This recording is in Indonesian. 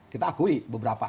kita akui beberapa